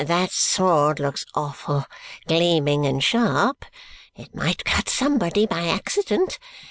But that sword looks awful gleaming and sharp. It might cut somebody, by accident.